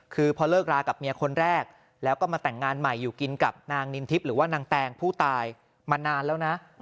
คือพอเลิกรากับเมียคนแรกแล้วก็มาแต่งงานใหม่อยู่กินกับนางนินทิพย์หรือว่านางแตงผู้ตายมานานแล้วนะ